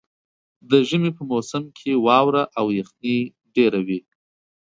د ژمي په موسم کې واوره او یخني ډېره وي.